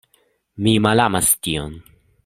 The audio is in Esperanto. Mi malamas tion.